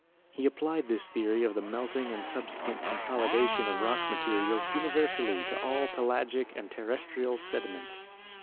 He applied this theory of the melting and subse quent consolidation of rock material universally to all pelagic and terrestrial sediments.